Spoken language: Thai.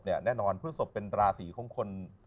แน่นอนพฤศพเป็นราศีของคน